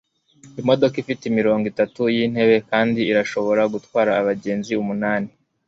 imodoka ifite imirongo itatu yintebe kandi irashobora gutwara abagenzi umunani